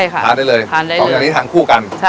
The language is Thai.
ส่องอาณิเชี่ยงสองของท่านทั้งคู่กัน